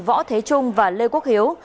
võ thế trung và lê quốc hiếu